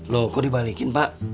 loh kok dibalikin pak